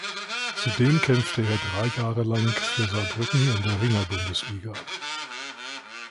Zudem kämpfte er drei Jahre lang für Saarbrücken in der Ringer-Bundesliga.